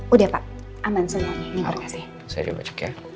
udah pak aman semuanya ini bongong sih